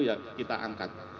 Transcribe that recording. ya kita angkat